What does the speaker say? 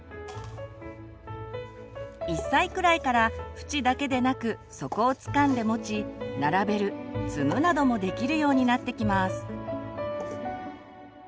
１歳くらいから縁だけでなく底をつかんで持ち並べる積むなどもできるようになってきます。